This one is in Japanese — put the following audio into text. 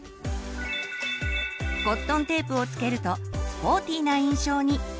コットンテープを付けるとスポーティーな印象に。